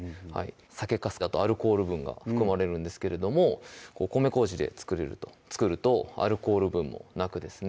酒粕だとアルコール分が含まれるんですけれども米糀で作るとアルコール分もなくですね